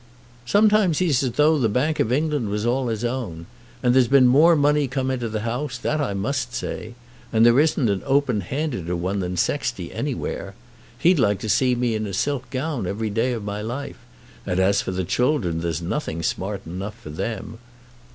"Sometimes he's as though the Bank of England was all his own. And there's been more money come into the house; that I must say. And there isn't an open handeder one than Sexty anywhere. He'd like to see me in a silk gown every day of my life; and as for the children, there's nothing smart enough for them.